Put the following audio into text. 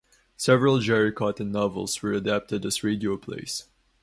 Several Jerry Cotton novels were adapted as radio plays.